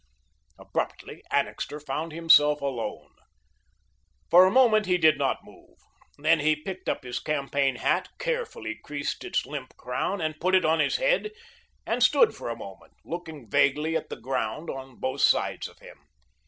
Abruptly Annixter found himself alone. For a moment he did not move, then he picked up his campaign hat, carefully creased its limp crown and put it on his head and stood for a moment, looking vaguely at the ground on both sides of him.